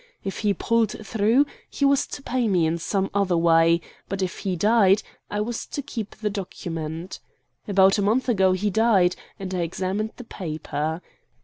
If he pulled through, he was to pay me in some other way; but if he died I was to keep the document. About a month ago he died, and I examined the paper.